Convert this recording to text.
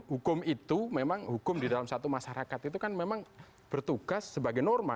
hukum itu memang hukum di dalam satu masyarakat itu kan memang bertugas sebagai norma